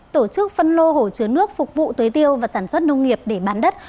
tổ chức phân lô hồi chứa nước phục vụ tuế tiêu và sản xuất nông nghiệp để bán đất